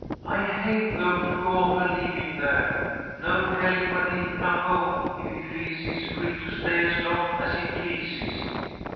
"I hate, though, to go off and leave him there. No telling when he'll come home if he feels he is free to stay as long as he pleases.